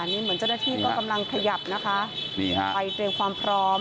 นี่เหมือนเจ้าหน้าที่ก็กำลังขยับนะคะนี่ฮะไปเตรียมความพร้อม